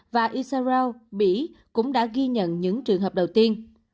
và isarau mỹ cũng đã ghi nhận những trường hợp đầu tiên